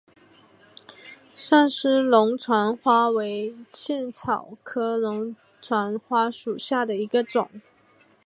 上思龙船花为茜草科龙船花属下的一个种。